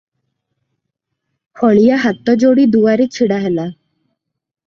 ହଳିଆ ହାତଯୋଡ଼ି ଦୁଆରେ ଛିଡ଼ାହେଲା ।